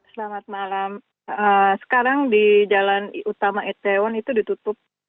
selamat malam sekarang di jalan utama itaewon itu ditutup